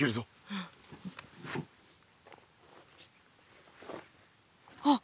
うん。あっ。